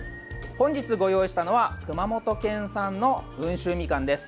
本日ご用意したのは熊本県産の温州みかんです。